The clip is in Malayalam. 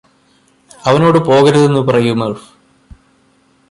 അവനോട് പോകരുതെന്ന് പറയൂ മര്ഫ്